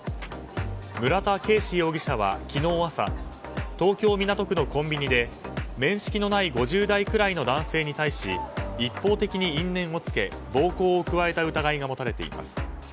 村田圭司容疑者は昨日朝東京・港区のコンビニで面識のない５０代くらいの男性に対し一方的に因縁をつけ暴行を加えた疑いが持たれています。